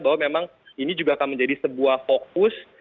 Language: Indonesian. bahwa memang ini juga akan menjadi sebuah fokus